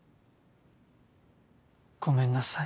ごめんなさい。